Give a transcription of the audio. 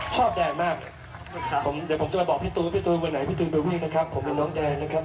แดมากผมเดี๋ยวผมจะไปบอกพี่ตูนพี่ตูนวันไหนพี่ตูนไปวิ่งนะครับผมเป็นน้องแดนนะครับ